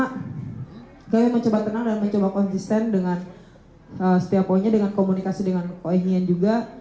saya mencoba tenang dan mencoba konsisten dengan setiap poinnya dengan komunikasi dengan poin yin juga